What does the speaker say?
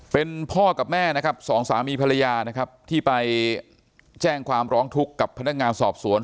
เป็นพ่อกับแม่นะครับสองสามีภรรยานะครับที่ไปแจ้งความร้องทุกข์กับพนักงานสอบสวน